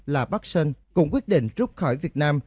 là bắc sơn cũng quyết định rút khỏi việt nam